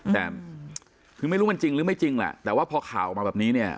แต่คือไม่รู้มันจริงหรือไม่จริงแหละแต่ว่าพอข่าวออกมาแบบนี้เนี่ย